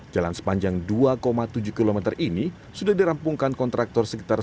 jalan sepanjang dua tujuh km ini sudah dirampungkan kontraktor sekitar satu empat km